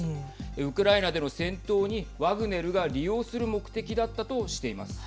ウクライナでの戦闘にワグネルが利用する目的だったとしています。